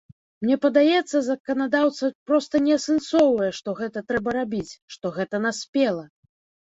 Мне падаецца, заканадаўца проста не асэнсоўвае, што гэта трэба рабіць, што гэта наспела.